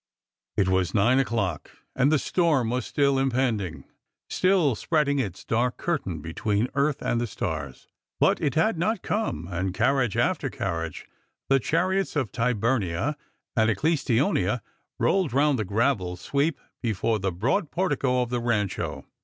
It was nine o'clock, and the storm was still impending — still spreading its dark curtain between earth and the stars. But it had not come, and carriage after carriage, the chariots of Tyburnia and Ecclestonia, rolled round the gravel sweep before the broad portico of the Rancho.